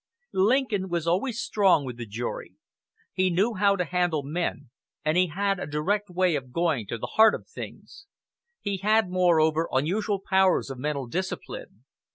Lincoln was always strong with a jury. He knew how to handle men, and he had a direct way of going to the heart of things. He had, moreover, unusual powers of mental discipline.